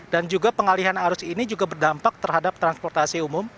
juga pengalihan arus ini juga berdampak terhadap transportasi umum